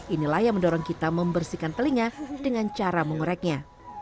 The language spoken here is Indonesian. inilah yang mendorong kita membersihkan telinga dengan cara mengoreknya